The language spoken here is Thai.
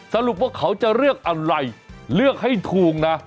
สรุปว่าเขาจะเลือกอะไรเลือกให้ถูกนะ